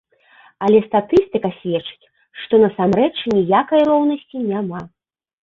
Але статыстыка сведчыць, што насамрэч ніякай роўнасці няма.